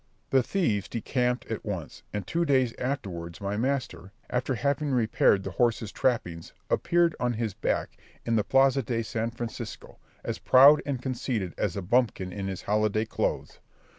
The thieves decamped at once; and two days afterwards my master, after having repaired the horse's trappings, appeared on his back in the Plaza de San Francisco, as proud and conceited as a bumpkin in his holiday clothes.